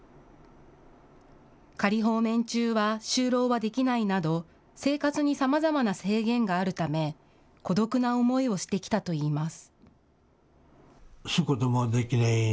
仮放免中は就労はできないなど生活にさまざまな制限があるため孤独な思いをしてきたといいます。